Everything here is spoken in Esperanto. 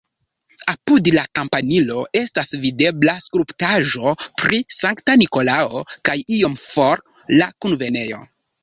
Apud la kampanilo estas videbla skulptaĵo pri Sankta Nikolao kaj iom for la kunvenejo.